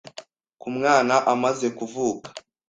ku mwana amaze kuvuka.